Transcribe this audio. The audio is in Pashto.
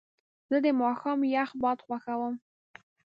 زه د ماښام یخ باد خوښوم.